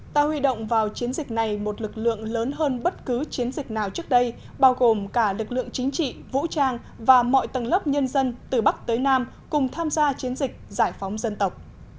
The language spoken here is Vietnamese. ta huy động vào chiến dịch này một lực lượng lớn hơn bất cứ chiến dịch nào trước đây bao gồm cả lực lượng chính trị vũ trang và mọi tầng lớp nhân dân từ bắc tới nam cùng tham gia chiến dịch giải phóng dân tộc